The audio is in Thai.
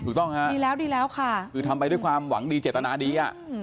ถูกต้องครับคือทำไปด้วยความหวังดีเจตนาดี